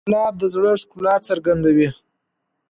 ګلاب د زړه ښکلا څرګندوي.